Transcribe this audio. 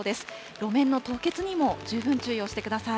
路面の凍結にも十分注意をしてください。